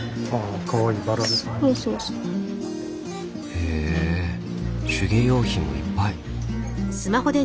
へえ手芸用品がいっぱい。